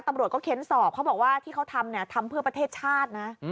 ตำรวจเข้นสอบเค้าบอกว่าที่เค้าทำทำเพื่อประเทศชาตินะ